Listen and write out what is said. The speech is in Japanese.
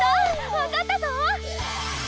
わかったぞ！